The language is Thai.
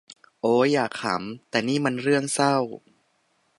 โอ้ย อยากขำ แต่นี่มันเรื่องเศร้า